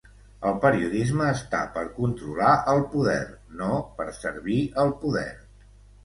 El periodisme està per controlar al poder, no per servir al poder.